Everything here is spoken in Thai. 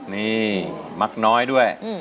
นี่มักน้อยด้วย